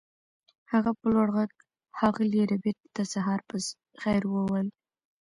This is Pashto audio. هغه په لوړ غږ ښاغلي ربیټ ته سهار په خیر وویل